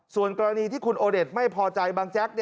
ส่วนกรณีที่คุณโอเดชไม่พอใจบางแจ๊ก